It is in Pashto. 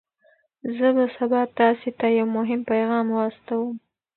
زه به سبا تاسي ته یو مهم پیغام واستوم.